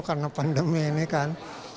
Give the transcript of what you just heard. karena pandemi ini kan